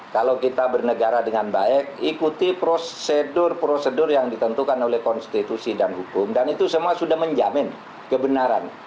kalau kita bernegara dengan baik ikuti prosedur prosedur yang ditentukan oleh konstitusi dan hukum dan itu semua sudah menjamin kebenaran